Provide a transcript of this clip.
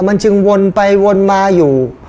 มันจึงวนไปวนมาอยู่